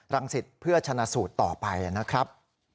สิทธิ์เพื่อชนะสูตรต่อไปนะครับ